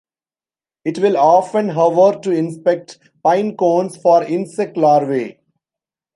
It will often hover to inspect pine cones for insect larvae.